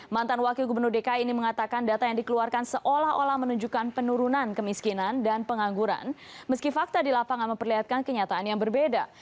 mantan wakil gubernur dki ini mengatakan data yang dikeluarkan seolah olah menunjukkan penurunan kemiskinan dan pengangguran meski fakta di lapangan memperlihatkan kenyataan yang berbeda